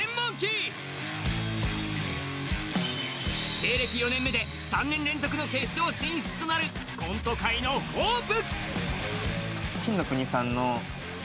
芸歴４年目で３年連続の決勝進出となるコント界のホープ。